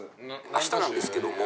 あしたなんですけども。